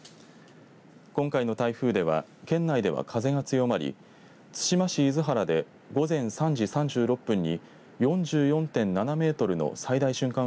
今回の台風では県内では風が強まり対馬市厳原で午前３時３６分に４４．７メートルの最大瞬間